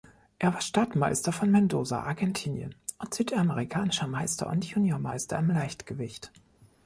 Er war Stadtmeister von Mendoza, Argentinien, und südamerikanischer Meister und Junior-Meister im Leichtgewicht.